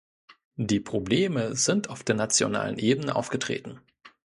Die Probleme sind auf der nationalen Ebene aufgetreten.